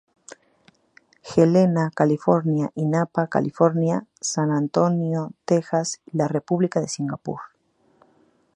Helena, California y Napa, California; San Antonio, Texas; y la República de Singapur.